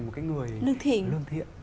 một cái người lương thiện